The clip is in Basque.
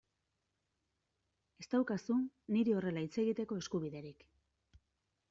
Ez daukazu niri horrela hitz egiteko eskubiderik.